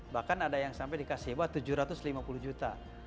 bahkan ada yang sampai dikasih heboh tujuh ratus lima puluh juta